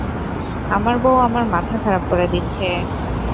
আমার বউ আমার মাথা খারাপ করে দিচ্ছে।